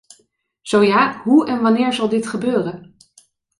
Zo ja, hoe en wanneer zal dit gebeuren?